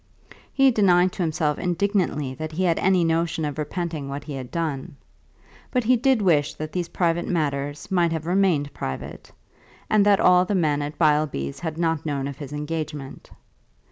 He denied to himself indignantly that he had any notion of repenting what he had done. But he did wish that these private matters might have remained private, and that all the men at Beilby's had not known of his engagement.